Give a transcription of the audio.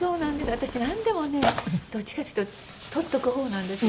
私なんでもねどっちかっていうと取っておく方なんですよ